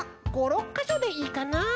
５６かしょでいいかなあ。